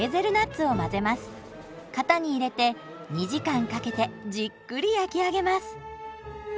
型に入れて２時間かけてじっくり焼き上げます。